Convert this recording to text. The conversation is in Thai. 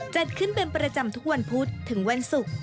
จัดขึ้นเป็นประจำทุกวันพุธถึงวันศุกร์